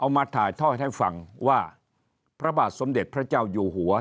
มาถ่ายทอดให้ฟังว่าพระบาทสมเด็จพระเจ้าอยู่หัว